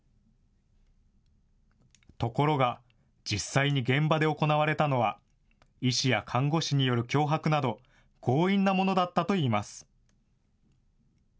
ところが、実際に現場で行われたのは、医師や看護師による脅迫など、強引なものだったといいます。